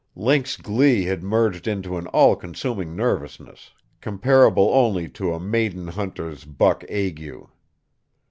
Link's glee had merged into an all consuming nervousness, comparable only to a maiden hunter's "buck ague."